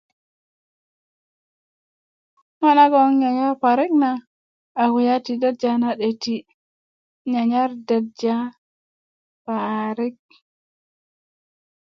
ŋo nagon 'nnyanyar parik na a kulya ti derja na 'döti un nyanuar parik